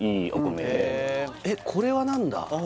えっこれは何だ？